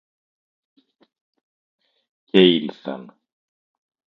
Και ήλθαν